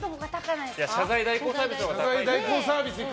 謝罪代行サービスいく？